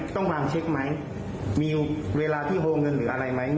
ทำเช็คไหมมีเวลาเที่ยวโหลเงินเหรออะไรไหม